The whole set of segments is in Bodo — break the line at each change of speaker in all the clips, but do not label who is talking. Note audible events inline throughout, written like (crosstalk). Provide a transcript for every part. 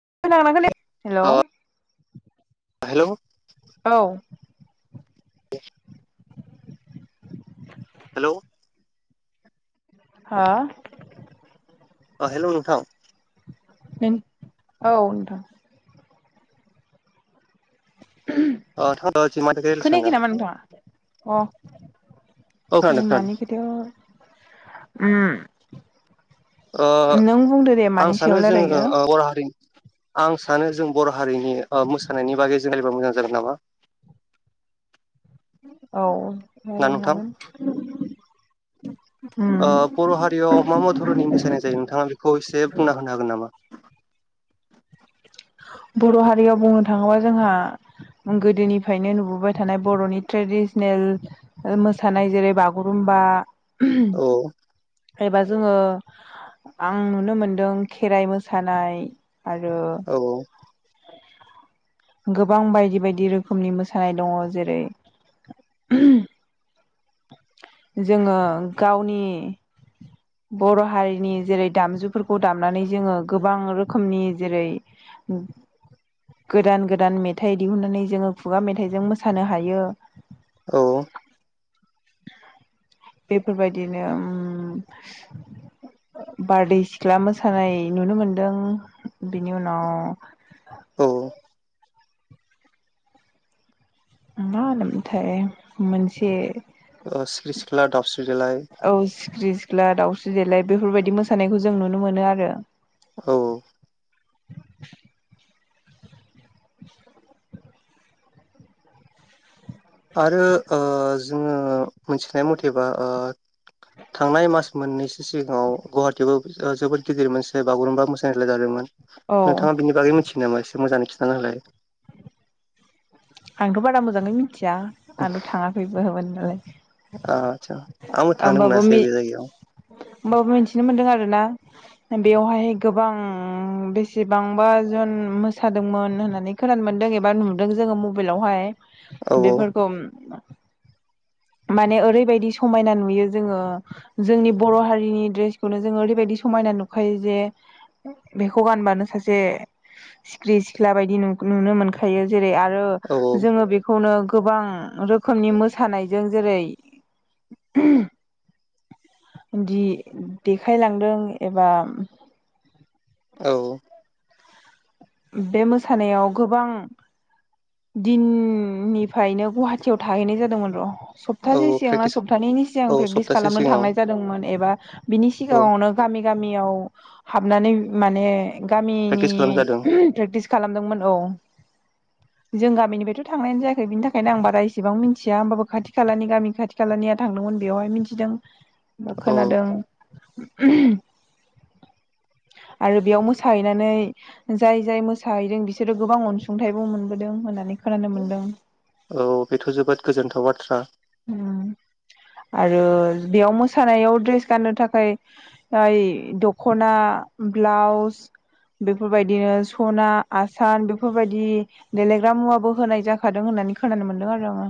खोनागोनना खोनायाखै
अ
हेल'
हेलौ
औ
द (inaudible) (unintelligible) हेल'
हा
अ हेल' नोंथां
औ नोंथां
ओ नोंथां जि मानि थाखाय
खोनायाखै
रायलायनो
नामा नोंथाङा
सानदों औ खोनादों
अ मानिखैथ' उम
ओ
नों बुंदो दे
आं
मानि
सानो
सायाव
जोङो
रायलायो
ओ बर' हारि आं सानो जों बर' हारिनि ओ मोसानायनि बागै रायज्लायबा मोजां जागोन नामा
औ
ना नोंथां
रायज्लाय जागोन
ओ बर' हारियाव मा मा धरननि मोसानाय जायो नोंथाङा बेखौ एसे बुंना होनो हागोन नामा
बर' हारियाव बुंनो थाङोबा जोंहा गोदोनिफ्रायनो नुबोबाय थानाय बर'नि ट्रेडिसनेल ओ मोसानाय जेरै बागुरुम बा
औ
एबा जोङो आं नुनो मोनदों खेराइ मोसानाय आरो
औ
गोबां बायदि बायदि रोखोमनि मोसानाय दङ जेरै जोंङो गावनि बर' हारिनि जेरै दामजुफोरखौ दामनानै जोङो गोबां रोखोमनि जेरै उ गोदान गोदान मेथाइ दिहुननानै जोङो खुगा मेथाइजों मोसानो हायो
औ
बेफोरबायदिनो बारदै सिख्ला मोसानाय नुनो मोनदों बेनि उनाव मा होनोमथाय मोनसे
स्रिख्रि सिख्ला दावस्रि
औ सिखिरि सिख्ला दावस्रि देेलाय बेफोरबायदि मोसानायखौ जों नुनो मोनो आरो
औ
(inaudible) (unintelligible) (inaudible) (unintelligible)
आरो ओ जोङो मिथिनाय मथेबा थांनाय मास मोननैसो सिगाङाव गुवाहाटीयावबो जोबोद गिदिर मोनसे बागुरुमबा मोसानाय जादोंमोन।
औ
नोंथाङा बिनि बागै मिथियो नामा एसे मोजाङै खिन्थानो होलाय
आंथ' बारा मोजाङै मिथिया आंथ' थाङाखैबो मोन नालाय
आदसा आंबो थांनो
हमबाबो
मोनासै बे जायगायाव
होमबाबो मिथिनो मोनदों आरो ना बेवहाय गोबां बेसेबांबा जन मोसादोंमोन होननानै खोनानो मोनदों एबा नुदों जोङो मबाइल आवहाय
औ
बेफोरखौ माने ओरैबायदि समायना नुयो जोङो जोंनि बर' हारिनि ड्रेसखौनो जों ओरैबायदि समायना नुखायो जे बेखौ गानबानो सासे सिखिरि सिख्ला बायदि नुनो मोनखायो जेरै आरो
औ
आरो जोङो बेखौनो गोबां रोखोमनि मोसानाय जों जेरै दि देखायलांदों एबा
औ औ
बे मोसानायाव गोबां दिननिफ्रायनो गुवाहाटियाव थाहैनाय जादोंमोन र'
औ
सप्तासे सिगां ना
प्रेक्टिस
सप्तानैनि सिगां
औ
प्रेकटिस
सप्तासे
खालामनो
सिगाङाव
थांनाय जादोंमोन एबा बिनि
औ
सिगाङावनो गामि गामियाव हाबनानै माने गामिनि
प्रेक्टिस खालामजादों
प्रेक्टिस खालामदोंमोन औ जों गामिनिफ्रायथ' थांनायानो जायाखै बिनि थाखायनो आं बारा इसेबां मिन्थिया होमबाबो खाथि खालानि गामि खाथि खालानिया थांदोंमो न बेयावहाय मिथिदों
औ
खोनादों आरो बेयाव मोसाहैनानै जाय जाय मोसाहैदों बिसोरो गोबां अनसुंथाइबो मोनबोदों होननानै खोनानो मोनदों
औ बेथ' जोबोद गोजोनथाव बाथ्रा
उम आरो बेयाव मोसानायाव ड्रेस गाननो थाखाय याय द'खना ब्लाउस बेफोरबायदिनो सना आसान बेफोरबायदि देलायग्रा मुवाबो होनाय जाखादों होन नानै खोनानो मोनदों आरो आङो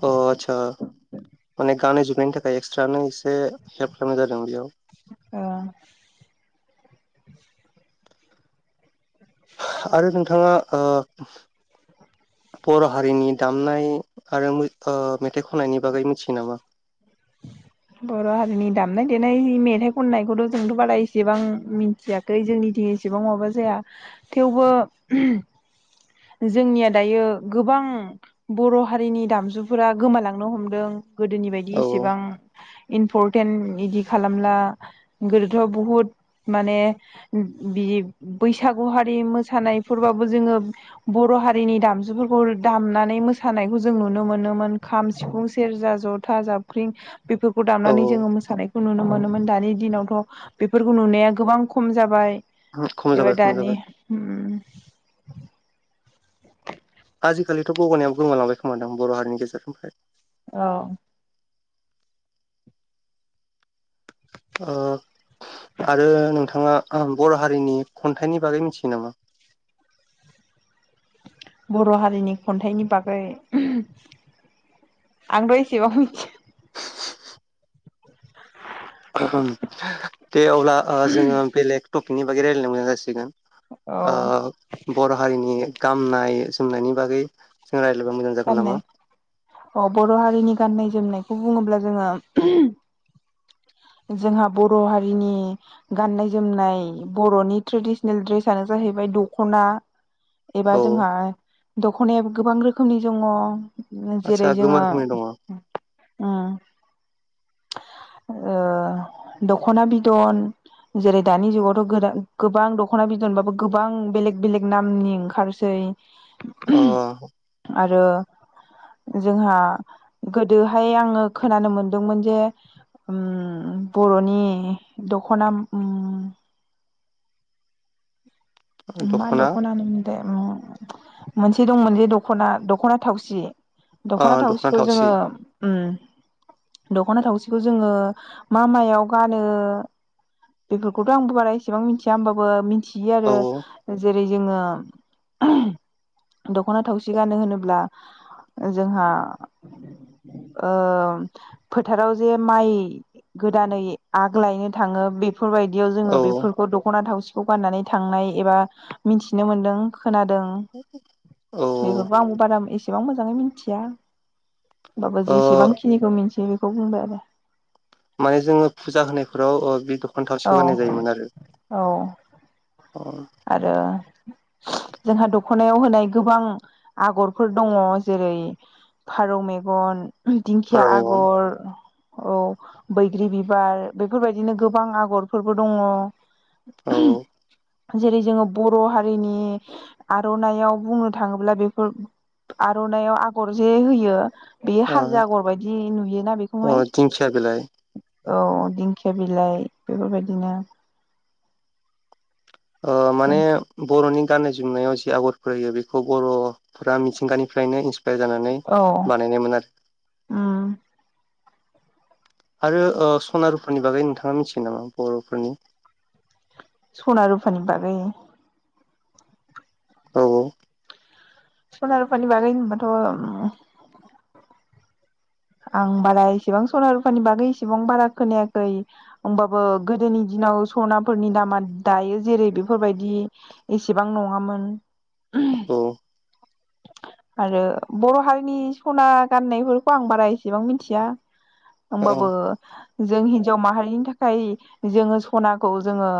अ आतसा माने गानै जुनायनि थाखाय एक्सट्रा नों एसे हेल्प खालामनाय जादों इयाव
ओ
आरो नोंथाङा ओ बर' हारिनि दामनाय आरो मै ओ मेथाइ खननायनि बागै मिथियो नामा
(inaudible) बर' हारिनि दामनाय देनाय मेथाइ खननायखौथ' जोंथ' बारा इसेबां मिथियाखै जोंनि दि इसेबां माबा जाया थेवबो जोंनिया दायो गोबां बर' हारिनि दामजुफोरा गोमालांनो हमदों गोदोनि बायदि
औ
इसेबां इम्परटेन्ट इदि खालामला गोदोथ' बुहुद माने बिदि बैसागु हारि मोसानायफोरबाबो जोङो बर' हारिनि दामजुफोरखौ दामनानै मोसानायखौ जों नुनो मोनोमोन खाम सिफुं सेरजा जथा जाबख्रिं बेफोरखौ
औ
दामनानै जोङो मोसानायखौ नुनो मोनोमोन दानि दिनावथ' बेफोरखौ नुनाया गोबां खम जाबाय।
औ खम
एबा
जाबाय खम
दानि
जाबाय आजिखालिथ' गगनायाबो गोमालांबाय खोमादां बर' हारिनि गेजेरनिफ्राय
ओ।
ओ आरो नोंथाङा बर' हारिनि खन्थाइनि बागै मिथियो नामा?
(inaudible) बर' हारिनि खन्थाइनि बागै आंबो एसेबां मिथि
दे अब्ला ओ जोङो बेलेग टपिकनि बागै रायलाया मोजां जासिगोन।
औ
ओ बर' हारिनि गामनाय जोमनायनि बागै जों रायज्लायबा मोजां जागोन नामा?
गाननाय अ बर' हारिनि गाननाय जोमनाय खौ बुङोब्ला जोङो जोंहा बर' हारिनि गाननाय जोमनाय बर'नि ट्रेडिसनेल ड्रेसनो जाहैबा य दख'ना एबा
औ
जोंहा दख'नायाबो गोबां रोखोमनि दङ
आदसा
जेरै
गोमा
जोङो
रोखोमनि दङ
उम ओ दख'ना बिदन जेरै दानि जुगावथ' गोदान गोबां दख'ना बि दनबाबो गोबां बेलेग बेलेग नामनि ओंखारोसै।
अ
आरो जोंहा गोदोहाय आङो खोनानो मोनदोंमोन जे ओम बर'नि दख'ना उम (inaudible) मा
दख'ना
दख'नानो मोन दे उम मोनसे दंमोनजे दखना दख'ना थावसि दख'ना थावसिखौ जोङो ओम दख'ना थावसिखौ जोङो मा मायाव गानो? बेफोरखौथ' आंबो बारा एसेबां मिथिया होमबाबो मिथियो
औ
आरो जेरै जोङो दख'ना थावसि गानो होनोब्ला जोंहा फोथाराव जे माइ गोदानै आग लायनो थाङो बे फोरबायदियाव जोङो
औ
बेफोरखौ दख'ना थावसिखौ गाननानै थांनाय एबा मिथिनो मोन्दों। खोनादों
औ
बेफोरखौ आंबो बारा एसेबां मोजाङै मिथिया। होमबाबो
औ
जेसेबांखिनिखौ मिथियो बेखौ बुंबाय आरो।
माने जोङो फुजा होनायफोराव बे दख'ना
औ
थावसिखौ गाननाय जायोमोन आरो।
औ आरो जोंहा दखनायाव होनाय गोबां आगरफोर दङ जेरै फारौ मेगन, दिंखिया
फारौ मेगन
आगर औ बैग्रि बिबार बेफोरबायदिनो गोबां आगरफोरबो दङ।
औ
जेरै जोङो बर' हारिनि आर'नाइआव बुंनो थाङोब्ला बेफोर आर'नाइआव आगर जे होयो बेयो हाजो आगर बायदि नुयोना
औ
बेखौहाय?
दिंखिया बिलाइ
औ दिंखिया बिलाइ बेफोरबायदिनो।
ओ
जों
माने बर'नि गाननाय जोमनायाव जि आगर होयो बेखौ बर'फोरा मिथिंगानिफ्रायनो इन्स पायार जानानै
औ
बानायनायमोन आरो।
उम
आरो सना रुफानि बागै नोंथाङा मिथिगोन नामा बर'फोरनि?
सना रुफानि बागै?
औ।
सना रुफानि बागै होनबाथ' आं बारा इसेबां सना रुफानि बागै इसेबां बारा खोनायाखै होमबाबो गोदोनि दि नाव सनाफोरनि दामा दायो जेरै बेफोरबायदि एसेबां नङामोन।
औ
आरो बर' हारिनि सना गाननायफोरखौ आं बारा एसेबां मिथिया
औ
ओमबाबो जों हिनजाव माहारिनि थाखाय जोङो सनाखौ जोङो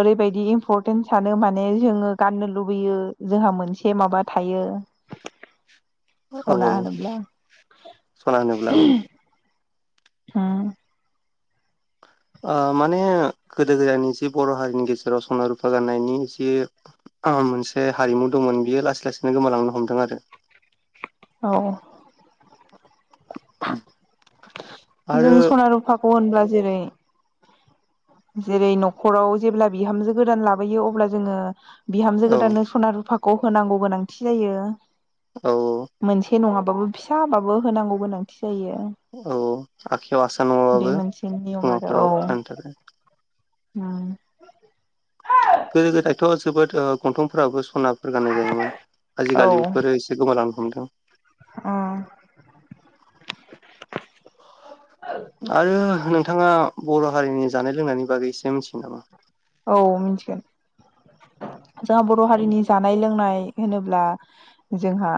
ओरैबायदि इमपरतेन्ट सानो माने जोङो गाननो लुबैयो जोंहा मोन से माबा थायो
औ
सना होनोब्ला।
सना होनोब्ला
ओम
ओ माने गोदो गोदायनि एसे बर' हारिनि गेजेराव सना रुफा गाननायनि एसे, ओहोम मोनसे हारिमु दंमोन बियो लासै लासैनो गोमालांनो हमदों आरो।
औ
(unintelligible)
जों
आरो
सना रुफाखौ होनब्ला जेरै, जेरै न'खराव जेब्ला बिहामजो गोदान लाबोयो अब्ला जोङो, बिहामजो गोदाननो
औ
सना रुफाखौ होनांगौ गोनांथि जायो
औ
मोनसे नङा ल्बाबो फिसा बाबो होनांगौ गोनांथि, जायो
औ आखाइयाव आसान
बे
नङाबाबो
मोनसे नियम आरो औ।
खोमाफोराव गाननो थाखाय
उम
गोदो गोदायथ' जोबोद गंथंफोराबो खनाफोर गाननाय जायोमोन आजिखालि बेफोरो एसे गोमालांनो हमदों।
उम,
आरो नोंथाङा बर' हारिनि जानाय लोंनायनि बागै एसे मिथियो नामा?
औ मिथिगोन, जोंहा बर' हारिनि जानाय लोंनाय होनोब्ला जोंहा,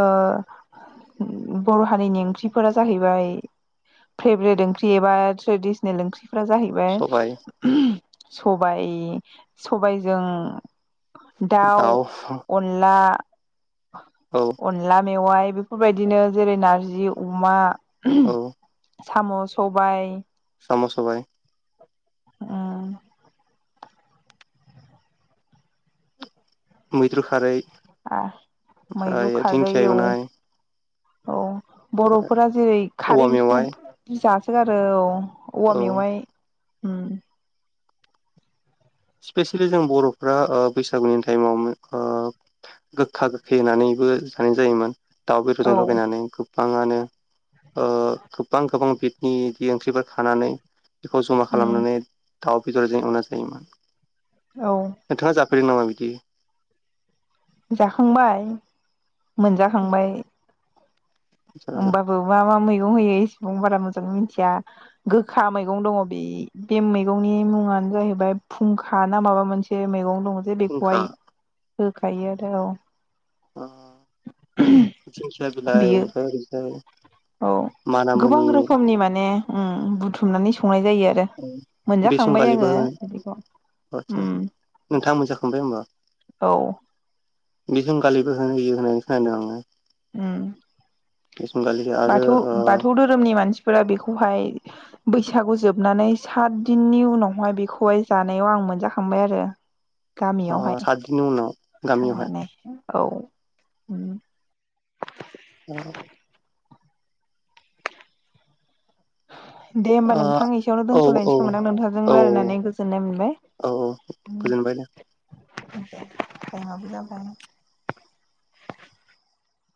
ओ बर' हारिनि ओंख्रिफोरा जाहैबाय। फेब्रेट ओंख्रि एबा ट्रेडिसनेल ओंख्रि फोर
सबाय
जाहैबाय सबाय सबायजों, दाउ अनला,
औ
अनला मेवाइ बेफोरबायदिनो जेरै नारजि अमा, ओम
औ
साम' सबाय
सम' सबाय
(unintelligible)
मैथ्रु खारै
(unintelligible) मैद्रु
ओमफ्राय
खारै
दिंखिया
ओ
एवनाय
औ बर'फोरा जेरै
औवा
खारै ओंख्रिखौ
मेवाइ
जासोगारो औ औवा
औ
मेवाइ उम
स्पेसियेलि जों बर'फ्रा बैसागुनि टाइमाव ओ गोखा गोखै होनानैबो जानाय जायोमोन दाउ
औ
बेदरजों लगायनानै गोबाङानो ओ गोबां गोबां बिदनि बि ओंख्रिफोर खानानै, बेखौ जमा
उम
खालामनानै दाउ बेदरजों एवना जायोमोन,
औ
(unintelligible) नामा बिदि,
जाखांबाय मोनजाखांबाय,
फुंखा
होमबाबो मा मा मै, मैगं होयो एसेबां बारा मोजां मोन्थिया गोखा मैंगं दङो बे बे मेगंनि मुङा, जाहैबाय फुंखा ना माबा मोनसे मैगं दङ, जे बेखौहाय होखायो आरो औ
(unintelligible) दिंखिया
औ
बिलाइ
बेयो
ओनफाय ओरैजाय,
औ गोबां
मानामुनि
रोखोमनि माने उम बुथुमनानै स संनाय जायो आरो मोनजाखांबाय आङो बिदिखौ।
आस्सा
उम
नोंथाङा मोनजांखांबाय होनबा?
औ
(unintelligible)
उम
बेसंगालि आरो
बाथौ
ओ
बाथौ धोरोमनि मानसिफोरा बेखौहाय बैस सागुखौ जोबनानै सात दिननि उनावहाय बेखौहाय जानायाव आं मोनजाखांबाय आरो।
ओ
गामियावहाय
सातदिननि उनाव गामियावहाय
थांनानै औ।
औ
दे होमबा नोंथां एसेयावनो
ओ ओ
दोनस'लायसैगौमोन आं नोंथांजों
औ
रायनानै गोजोननाय मोनबाय।
औ औ गोजोनबाय दा
(unintelligible)